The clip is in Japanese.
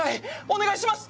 お願いします！